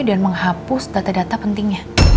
dan menghapus data data pentingnya